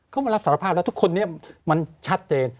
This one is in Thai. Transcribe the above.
เขามารับสารภาพแล้วทุกคนนี้มันชัดเจน